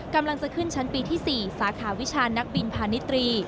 กำลังจะขึ้นชั้นปีที่๔สาขาวิชานักบินพาณิตรี